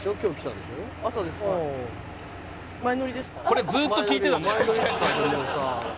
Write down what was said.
「これずっと聞いてたんだよ」